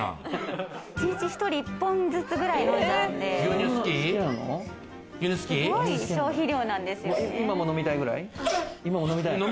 一日１人１本ずつぐらい飲んじゃうんで、すごい消費量なんですよね。